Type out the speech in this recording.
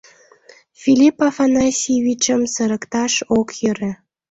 Филипп Афанасьевичым сырыкташ ок йӧрӧ...